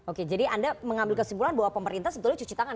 oke jadi anda mengambil kesimpulan bahwa pemerintah sebetulnya cuci tangan